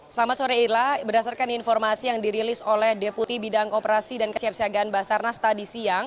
selamat sore ila berdasarkan informasi yang dirilis oleh deputi bidang operasi dan kesiapsiagaan basarnas tadi siang